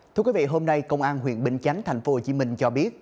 thưa quý vị hôm nay công an huyện bình chánh tp hcm cho biết